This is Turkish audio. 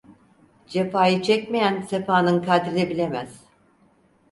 Cefayı çekmeyen sefanın kadrini bilemez.